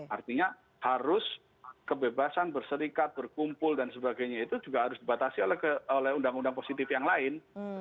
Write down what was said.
artinya harus kebebasan berserikat berkumpul dan sebagainya itu juga harus dibatasi oleh undang undang positif yang lain